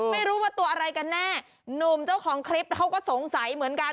ไม่รู้ว่าตัวอะไรกันแน่หนุ่มเจ้าของคลิปเขาก็สงสัยเหมือนกัน